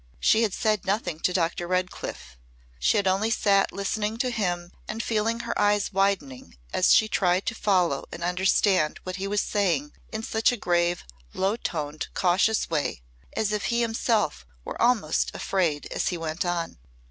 She had said nothing to Dr. Redcliff; she had only sat listening to him and feeling her eyes widening as she tried to follow and understand what he was saying in such a grave, low toned cautious way as if he himself were almost afraid as he went on.